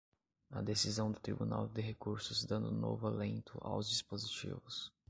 a decisão do Tribunal de Recursos dando novo alento aos dispositivos